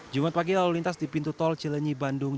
jumat pagi lalu lintas di pintu tol cilenyi bandung